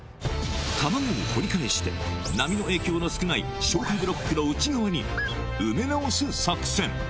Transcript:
卵を掘り返して、波の影響の少ない消波ブロックの内側に、埋め直す作戦。